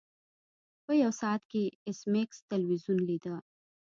په یو ساعت کې ایس میکس تلویزیون لیده